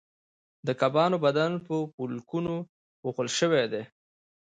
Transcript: د کبانو بدن په پولکونو پوښل شوی دی